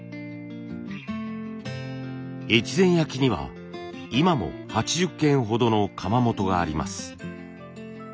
越前焼には今も８０軒ほどの窯元があります。